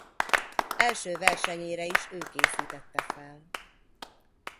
Első versenyére is ő készítette fel.